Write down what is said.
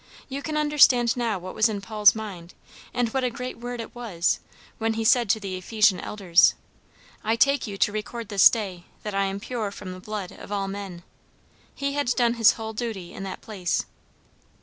You can understand now what was in Paul's mind, and what a great word it was, when he said to the Ephesian elders, 'I take you to record this day, that I am pure from the blood of all men.' He had done his whole duty in that place!"